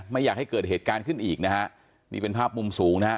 ไม่อยากให้เกิดเหตุการณ์ขึ้นอีกนะฮะนี่เป็นภาพมุมสูงนะฮะ